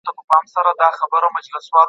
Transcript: حديث د دي مسئلې لپاره کوم دليل ښوولی دی؟